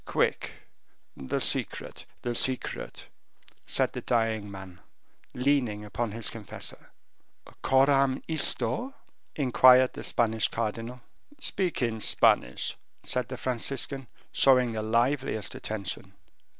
"Quick, the secret, the secret!" said the dying man, leaning upon his confessor. "Coram isto?" inquired the Spanish cardinal. "Speak in Spanish," said the Franciscan, showing the liveliest attention.